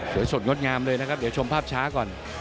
สดงดงามเลยนะครับเดี๋ยวชมภาพช้าก่อน